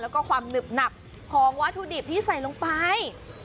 แล้วก็ความหนึบหนับของวัตถุดิบที่ใส่ลงไป